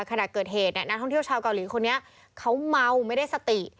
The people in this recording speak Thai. ขณะเกิดเหตุเนี่ยนักท่องเที่ยวชาวเกาหลีคนนี้เขาเมาไม่ได้สติ